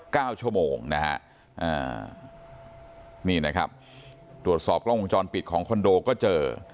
เก้าชั่วโมงนะฮะอ่านี่นะครับตรวจสอบกล้องวงจรปิดของคอนโดก็เจอ